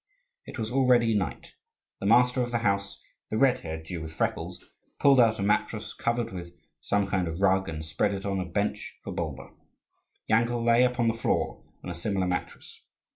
It was already night. The master of the house, the red haired Jew with freckles, pulled out a mattress covered with some kind of rug, and spread it on a bench for Bulba. Yankel lay upon the floor on a similar mattress.